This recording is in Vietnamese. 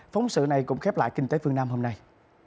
phóng sự này cũng khép lại kinh tế phương nam hôm nay